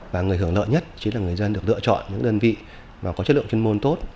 và người hưởng lợi nhất chính là người dân được lựa chọn những đơn vị có chất lượng chuyên môn tốt